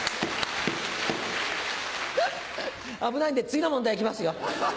危ないんで次の問題いきますよ。